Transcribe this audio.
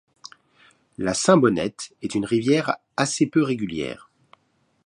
La Saint-Bonnette est une rivière assez peu régulière.